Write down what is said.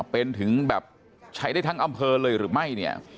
เป็นถึงแบบใช้ได้ทั้งอำเภอเลยหรือไม่เนี่ย